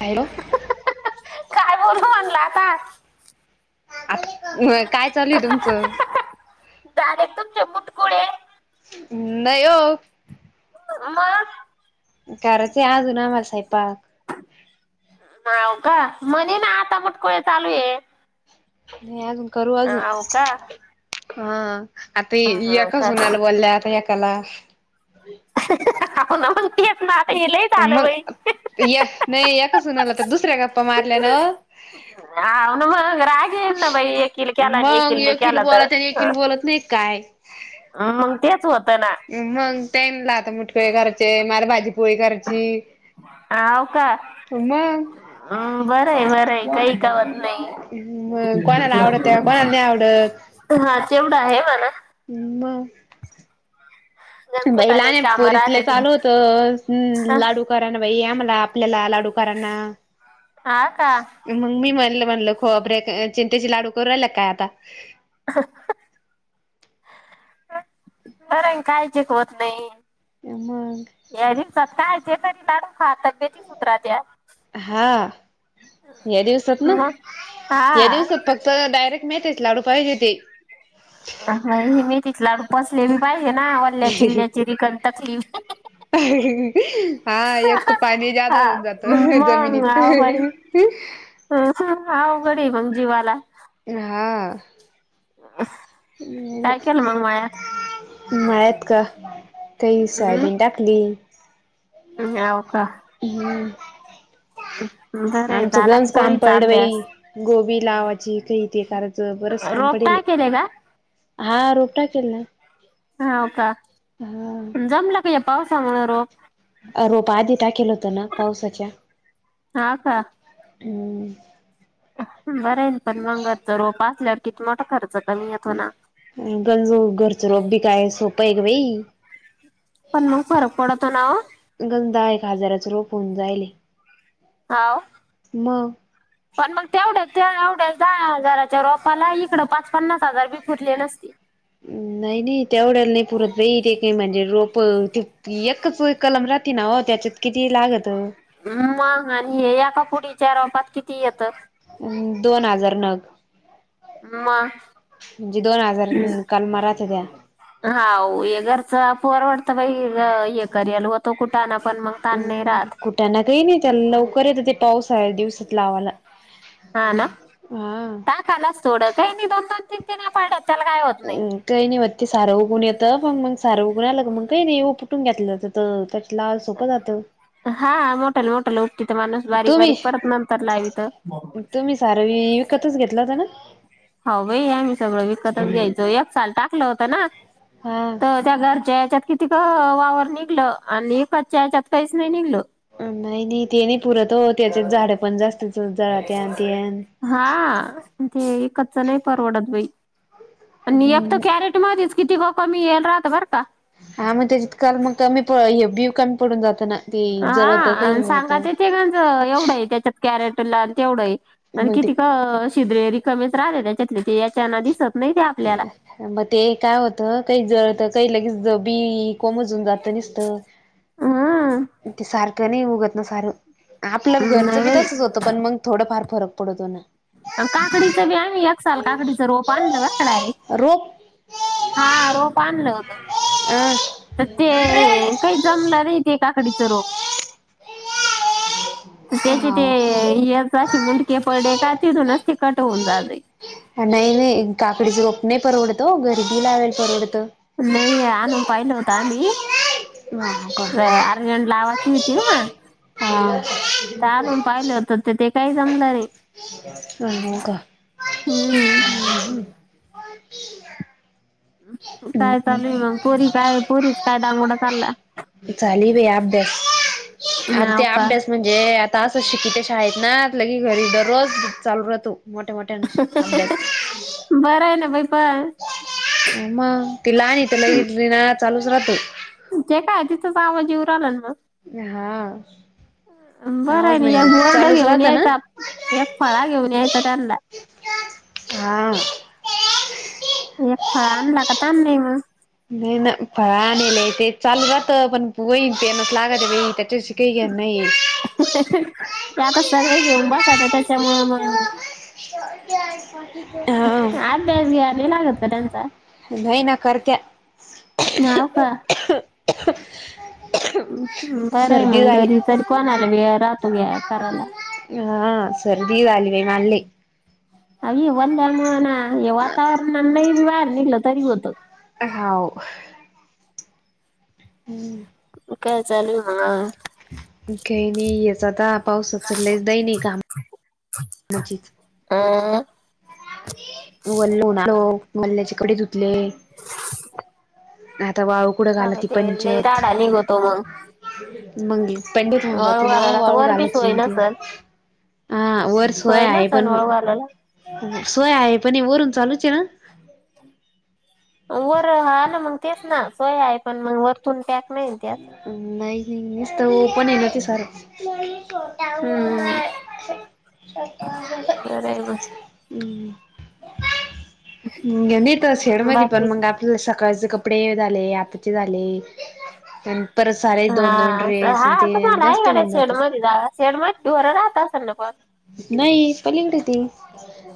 Hello. काय बोलू म्हणला आता आ काय चालूय तुमचं डायरेक्ट तुमचे मुटकुळे नाही हो मग घराचे आजून ना मा साहेबक नाव का म्हणे ना आता पटकोळे चालू आहे नाही अजून करू अजून हो का हा. आता ए हो एका का सुनाला बोलल्या, आता एकाला हाव ना तेच ना, आता हे लईच आलं बाई य नाही एका सूनला, तर दुसऱ्या गप्पा मारल्या ना व हाव ना मग राग येेईल, ना बाई एकील केला आणि मग एकीला नाही केला तर बोलत आणि एकीला बोलत नाही काय हम मग तेच होतं ना मग तेनला आता मुटकळे करायचे, मला भाजीपोळी करायची हा व का? मग बरं हाय बरं हाय काही कावत नाही. मग कोणाला आवडत कोणाला नाही आवडत हा तेवढ आहे म्हणा म. बाई गणकुटाने लहाने कामं पोरी इथले राहते ती चालू होत हा लाडू कराना बाई या मला आपल्याला लाडू कराना हा का? मग मी म्हणलं म्हणल, खोबरे चिंटेचे लाडू करू रायला काय आता? करून खायची होत नाही. या मग. डायरेक्ट सकाळचे तरी लाडू खा, तब्येेती सुधरत्या हा या दिवसात ना मग या हा दिवसात पक् तर डायरेक्ट मेथीच लाडू पाहिजे व्हती हा मी मेथीच लाडू फसलेली पाहिजे, ना वल्ल्या चिल्ल्या ची तकलीफ हा येत पाणी जादा हा होऊन जात मग जमिनीत आव बाई हमं. अवघड ए मग जीवाला हा आ. ह. म मळ्यात का तेई सायबिन टाका? [unintelligible] मी यावं का? हम्म. [unintelligible] आमचं झाला का गंज काम पोरीचा अभ्यास? पडवेई, गोबी लावाची काही ते सारं रोप टाकील्या का? हां रोपटा केला? हा व का जमलं का या पावसामुळं रोप? अ रोप आधी टाकील होतं ना पावसाच्या? हा का? हम्म. बरं आहेन, पण मंग रोपं असल्यावर किती मोठा खर्च कमी येतो ना? अम्म गंजू घरच रोप बी काय सोपं आहे गं बाई? पणाक फरक पडतो ना ओ? गंदा एक हजाराच रोप होवून जायले. हाव मग पण मग तेवढ्याच ते एवढ्या दहा हजाराच्या रोपाला, इकड पाच पन्नास हजार बी फुटले नसते. नाही नाही तेवढ्याला नाही पुरत बाई, ते काही म्हणजे रोप ते एकच कलम राहते ना हो त्याच्यात किती लागतं? मग आणि हे आता पुडीच्या रोपात किती येतं? अम्म दोन हजार नग मग. जे दोन हजार कलमा राहतेत्या हा हो हे घरच परवडतं, बाई ये करायला होतो कुठाना हम्म कुठाना काही नाही त्याला लवकर येत, ते पावसाळ्या दिवसात लावायला. हा ना टाकालाच थोडं काही नाही दोन दोन तीन तीन [unintelligible] त्याला काय होत नाही. काही नाही म ते सारं उगुन येतं पण मग सारं उगुन आलं मग काही नाही उपटून [unintelligible] जातं हा मोटल मोटल [unintelligible] माणूस बारीक तुम्ही बारीक परत नंतर लावीत. तुम्ही सारवी विकतच घेतला होता ना? हो बाई आम्ही सगळं विकतच घ्यायचो एक साल टाकलं होतं ना. हा तर त्या घरच्या याच्यात [unintelligible] [unintelligible] वावर निघलं आणि कच्च्या ह्याच्यात काहीच नाही निघलं. अम्म नाही नाही ते नाही पुरत हो त्याचे झाड पण जास्तच [unintelligible] हा ते कच्च नाही परवडत बाई आणि एक हम्म तर [unintelligible] मधीच किती [unintelligible] मी येईल रातभर का हा मग त्याच्यात काल मग कमी प हे बी कमी पडून जातं ना ते हां जळत काही आन सांगा होतं ते गंज एवढं आहे [unintelligible] कॅरेटला तेवढं आहे आणि मग किती ते क [unintelligible] रिकामेच राहिले त्याच्यातले ते याच्याना दिसत नाही ते आपल्याला. मग ते काय होतं [unintelligible] लगेच ज बी कोमजून जात. नुसतं हम्म ते सारखं नाही उगत ना सारं. आपलं घरचं नाही बी बाई तसच होतं पण मग थोडं फार फरक पडतो ना. काकडीचं बी आम्ही एक साल काकडीचं रोप आणलं बरं का डायरेक्ट. रोप. हां रोप आणलं होतं. अ तर ते काही जमलं नाही ते काकडीचं रोप. त्याचे ते याचं असे मुंडके पडे का तिथूनच ती कट होऊन [unintelligible] नाही नाही काकडीचं रोप नाही परवडत ओ [unintelligible] परवडतं. नाही हे आणून पाहिलं होतं आम्ही. हो अ का? अरजंट लावाची होती ना मग. हां. तर ते ते काही जमलं नाही हो का? हम्म काय चालूय मग पुरी काय प पुरीच काय दांगोडा चालला चाली भ अभ्यास आता नाव ते का अभ्यास म्हण जे आता अस शिकितशा आहेत नालं की घरी दररोज चालू रातो मोठे मोठे बरं आहे ना बाई पण तिला आणि त्यालािणा चालूच राहतो जे काय तिथंच आवाजीऊ आलं मग हा बरं आवाज ना म्हणजे एक बोर्ड चालूच घेऊन राहत ना. यायचा एक फळा घेऊन यायचा त्यांना हा एक फळ आणला काता आण नाही मग नाही ना फळनेलेय ते चालू जात पण वहीन पेनच लागतई त्याच्याशी क आहे नाही ते आता सगळे घेऊन बघत आहे त्याच्यामुं मग [unintelligible] हा अभ्यास घ्याय नाय लागत का त्यांचा? नाही ना करत्या. होव का. [inaudible] बरं आहे सर्दी मग झाली. घरी तरी कोणा आला राहतो घ्या करायला हा सर्दी झा आली म मल्लेली अय बंद म ना ये वातावरण नाही बी वार निल तरी होत होव हम् काय चालेूल मग काही नाही याच आता पाऊसचललाच दई नाही काम अ वल्लणारतो वल्ल्याचे कडे धुतले आता वाळू कुठं घाल अबे ती ते लई पंचत राडा निघतो मग मंग पंडित त वळू नाव घालायला तर वा वर बी सोय गलची नसल हा वर सोय आहे पणग झाला सोय आहे पण हे वरून चालूच आहे ना वर हा ना मग तेच ना सोय आहे पण मग वरतून पॅक नाही त्यास नाही नाही मस्त प हो ना ते साार त्याऊ हम्म आमछट् बरं गणी तर शेड मध बाकी पण मंग सकाळचे कपडे झाले आतचे झाले ह हा हा तुम्हाला जास्त कड होऊन जात शेडमध्ये जा शेडमध्येरं राहत असेल ना पण नाही पलीकडे त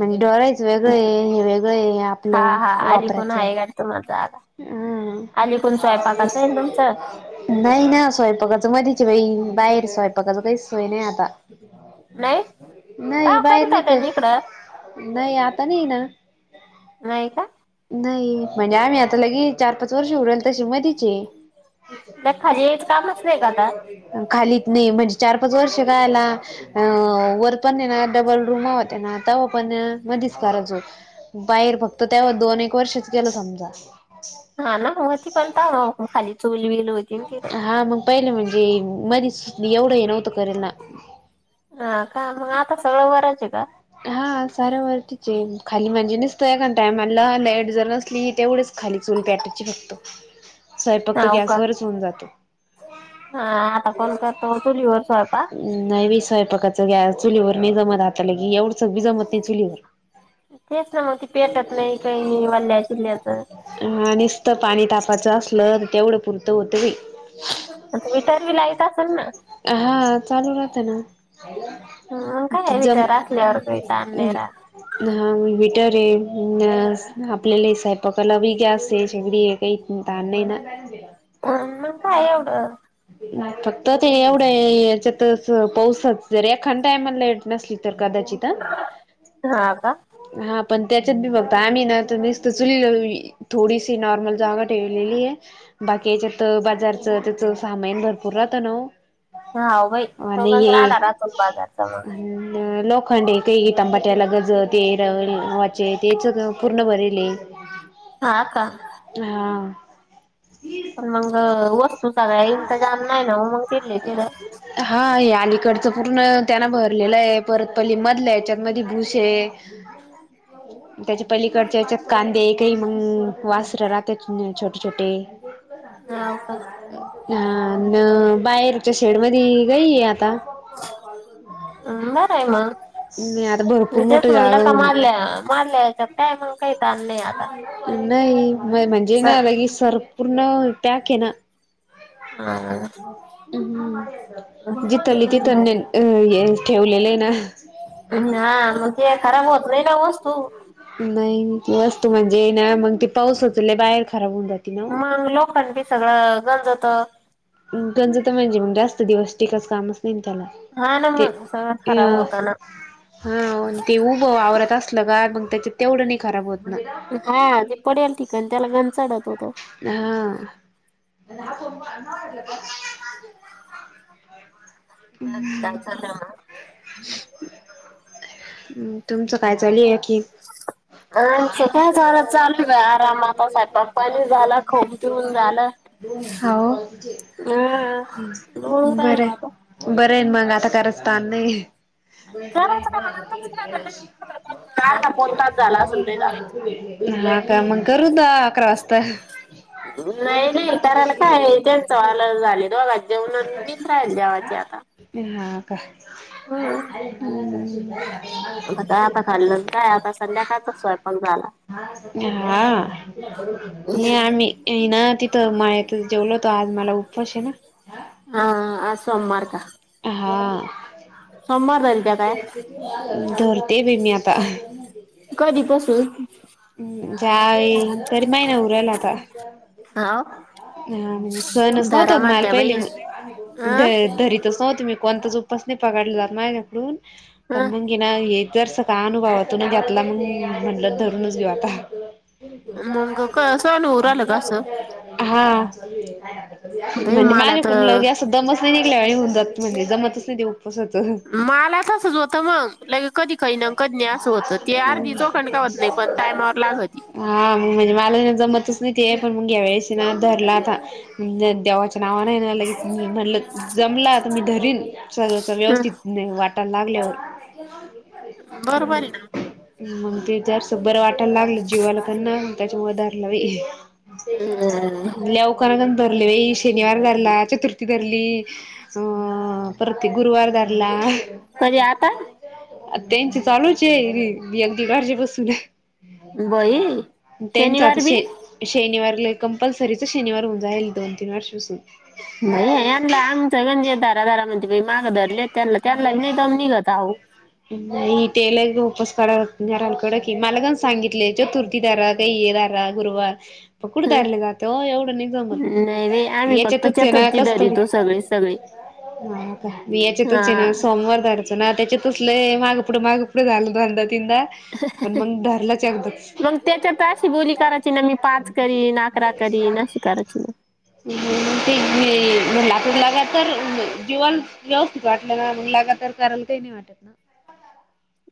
म्हणजे डरायची वेगळं हे वेगळं हा आपलं हा अलीकून वापरायचं आहे गाडी तुम्हाला जागा हं अलीकून स्वयंपाकाचं आहे ना तुमचं नाही ना स्वयंपाकाचं मधच बाई बाहेर स्वयंपाकाचं काही सोय नाही आता नाही नाही का बाहेर करीत नाही होत्या का ना इकडं नाही आता नाही ना नाही का नाही म्हणजे आम्ही आता लगे चार पाच वर्ष उरल तशी मधचे क त्या खाली यायचं कामच नाही का आता खालीत नाही म्हणजे चार पाच वर्ष काय आला अ वर पणना डबल रूम आत नाताव पण मध्येच करच होो बाहेर फक्त तेव्हा दोन एक वर्षच गेलं समजा हा ना मग म ती पणता खाली चूली बील होती ना तिथं हा मग पहिले म्हणजे मध एवढं हे नव्हतं करेना हा का मग आता सगळं वरायचं का हा सारावररतीच आहे खाली म्हणजे नसतय काण टायमला लाईट जर नसली तेवढेच खाली चूून प्याटरची फक्तो [inaudible] स्वय फक्त हाव का गॅसवरच होऊन जातो हा आता कोण करतो चुलीवर स्वयपा नाही वीस सव पकाचं गॅस चुलीवर मी जमत हातालं की एवढंच बी जमत नाही चुलीवर तेच ना मग ती पेटत नाही काही नाही वाल्ल्या चिल्ल्याचं ह नुसत पाणी तापाचं असलं तेवढं पुरतं होत गी विटार बी लाईट असेल ना हा चालू राहते ना ह मग काय भथ जम रा असल्यावर का त आणलेरा हा वटर आहे आपल्याला साहेपाकला हवी गॅस आहे शेवडी आहे काही तन ना अ नम काय एवढ फक्त ते एवढं याच्यात पाऊसच जर एखा टायमला लाईट नसली तर कदाचित हा का हा पण त्याच्यात बी बघत आम्ही ना तर नसत चुली थोडीशी नॉर्मल जागा ठेवलेली आहे बाकीच्यात बाजारचं त्याच सामान भरपूर राहतं ना ह बाई आणि सोगच राहता हे राहुजारचा मग खांडे काही इ तंबाट्याला गज ते र वाचे तेच पूर्ण बरले ह हा आ का हा पण मग वस्तू सगळ्या इंतजाम नाही ना म मग तली तिला हा हे अलीकडचं पूर्ण त्यांना भरलेलं आहे परत पली मधला याच्यात मध भूस आहे ह [unintelligible] त्याच्या पहिलीकडच्या त्याच्यात कांदे काही मग वासर राहत छोटे छोटे हो का हा न बाहेरच्या शेड म गई आता ल अ बरं आहे मग भरपूर मी मोठ तेच म्हणलं का जागा मारल्या मारल्याच्यात काय मग काही ताल नाही आता नाही म म्हणजे ना सर आता की सर पूर्ण पॅक आहे ना जीथली त बर तने अ हे ठेवलेलं आहे ना ना मग ते खराब होत नाही का वस्तू नाही त वस्तू म्हणजे ना ते पाऊसचले बाहेर खराब होऊन जाते ना मग लोकां बी सगळं गंजवत त्यांच तर म्हणजे म्हणज जास्त दिवस टिककायच कामच नाही त्याला हा न ते स खराब अ होता ना हा ते उभं आववरात असलं का मग त्याचे तेवढं नाही खराब होत ना हा जे पडेल ठिकाण त्याला घनचाडत होतं हा [unintelligible] काय हम् चाललं मग? [unintelligible] तुमचं काय चाली आहे की [unintelligible] अछ का झा चालू आहे आरामाता साहे पप्पानी झालं खोऊन पिऊन झालं हो हम्म लोळू बर राहिलो आता. बरं आहेन मग आता कराच ताण नाही ब करायचं काय आताच काय म्हणलं अर्धा पाऊण तास झाला असेल ते झालं. बणीणा [unintelligible] हा का मग करू द अकरा वाजता नाही नाही कराला काय सवाल झाले द बघा जेवण मीच राहील जेवाचे आता ह का हम्म आता काय आता खल्लं काय आता संध्याकाळच स्वयंपण झाला हा ये आम्ही ना तिथं म जेवल होतो आज मला उपवास आहे ना ह आ सोमवार का हा सोमवार धरीता आ काय धरणे प मी आता कधी पसुन हम्म जावे तरी माहि नाही उरला आता हाव हा म्हणजे सणच नव्हत धरा माल म्हणत्या पहिले बाई अं री नव्ह मी कोणता उपास नाही पडला जात माझ्याकडून पण अं म कि ना हे जस का अनुभवातून घातला मग म्हंडत धरूनच घेऊ आता त त्याला मग वाेवला कसं होऊ राहिलं का असं हा बाई म्हणजे मला माझ्या कुण तर लगे अस दमस्त नाही निघई होन जात म्हणज जमातच नाही देऊ कसत मला तसंच होतं मग ला कधी खही ना कधी नाही असं होतं ते अर्धी चोखंड का नाही पण टामवर लाग हा मग म्हणजे मला जमतच नाही ते पण मग ह्या वळेशी ना धरलाता देवा नावा नाही म्हणलं जमला तर मी रीन सग हं व्यवस्थित वाट ले बरोबर आहे ना म जस बरं वाटायला लागल जीवाला त्यांना त्याच्या मदारला अं लवकरण धले वई शनिवार धरला चतुर्थी धरली अ प्रतेक गुरुवार ारला कधी आता आ त्यांच चालूच आहे अगदी घरचे बसून बाई त्यांचा शनिवार बी तसे शनिवारला कंपल्सरीच शनिवार होऊन जाईल दोन तीन वर्षासून म यांना आमचं म्हणजे दारा दारा म्हणजे माग धले त्यां त्यांना नाही् निघत आहो नाही तेेल उपस क नाहील कडं की मला काण सांगितले चतुर्थ दार काही दारा गुरुवार प कुड हं. तयरले जाते हो एवढं नाही जमल नाही बाई आम्ही फक्त याच्यातच आहे ना चतुर्थी कस तरी धरितो सगळे सगळे हा का मी याच्या हा ध त्या तस माग मागपं झा तदाा पण मग ध त्या द मग त्याच्यात अशी बोली करायची ना मी पाच करीन अकरा करीन अशी करायची ना [inaudible] वाटलं ना म्हला का तर करायला काही नाही वाटत ना.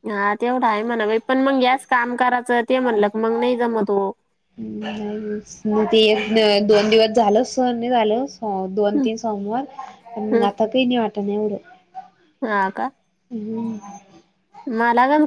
हा तेवढा आहे म्हणा बा पण मग यास काम करायचं ते म्हणलं क मग नाही जमत हो. ते एक दोन दिवस झाल स नाही झालं. हो दोन हं तीन सोमवार मग हं आता काही नाही वाटण एवढं हा का ह मला गम